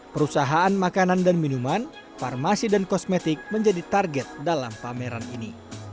perusahaan makanan dan minuman farmasi dan kosmetik menjadi target dalam pameran ini